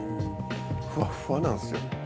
ふわっふわなんですよ。